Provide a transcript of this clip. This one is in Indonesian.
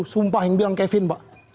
sumpah yang bilang kevin pak